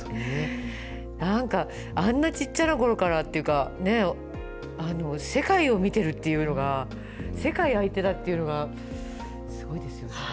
なんか、あんなちっちゃなころからっていうか、世界を見てるっていうのが、世界を相手だっていうのがすごいですよね。